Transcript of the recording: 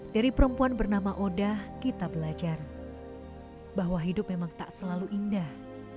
dari perempuan bernama oda kita belajar bahwa hidup memang tak selalu indah